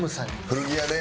古着屋ね。